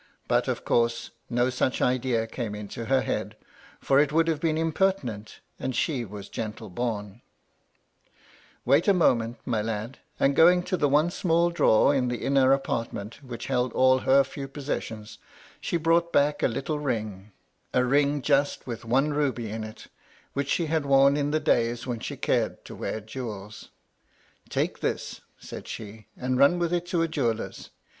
But, of course, no MY LADY LUDLOW. 153 such idea came into her head, for it would have been impertinent, and she was gentle bora "* Wait a moment, my lad,' and, going to the one small drawer in the inner apartment, which held all her few possessions, she brought back a little ring — a ring just with one ruby in it — which she had worn in the days when she cared to wear jewels. * Take this,' said she, * and run with it to a jeweller's.